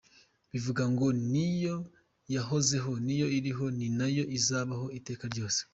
Bivuga ngo niyo yahozeho, niyo iriho ni nayo izahoraho iteka ryose.